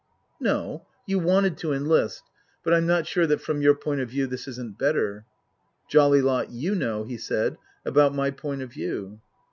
" No. You wanted to enlist. But I'm not sure that from your point of view this isn't better." " Jolly lot you know," he said, " about my point of view."